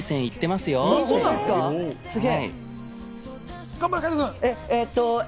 すげえ。